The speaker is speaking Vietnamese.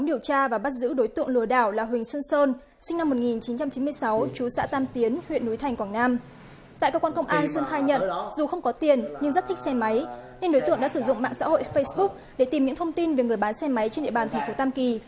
đối tượng đã sử dụng mạng xã hội facebook để tìm những thông tin về người bán xe máy trên địa bàn thành phố tam kỳ